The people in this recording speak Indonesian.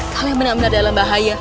kalian benar benar dalam bahaya